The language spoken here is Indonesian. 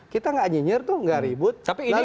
kita tidak nyinyir tidak ribut